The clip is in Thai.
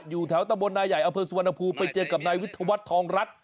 อยู่แถวตะบลนายใหญ่อำเภอสุวรรณภูมิไปเจอกับนายวิทยาวัฒน์ทองรัฐ